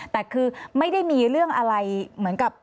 แต่คือไม่ได้มีเรื่องอะไรเหมือนกับ